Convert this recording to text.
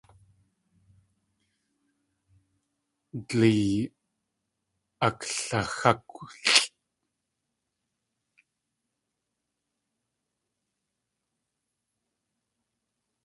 Dleey aklaxákwlʼ.